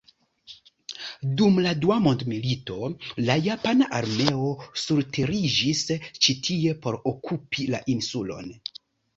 Dum la Dua Mondmilito la japana armeo surteriĝis ĉi tie por okupi la insulon.